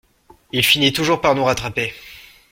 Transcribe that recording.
Il finit toujours par nous rattraper.